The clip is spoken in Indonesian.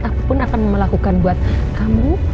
aku pun akan melakukan buat kamu